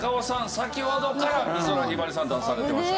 先ほどから美空ひばりさん出されてました。